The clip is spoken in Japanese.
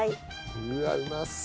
うわっうまそう。